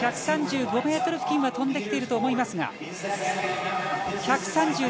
１３５ｍは飛んできていると思いますが１３３ｍ５０。